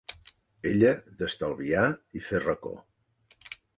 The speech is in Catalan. Ella d'estalviar i fer reco